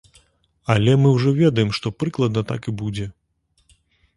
Але мы ўжо ведаем, што прыкладна так і будзе.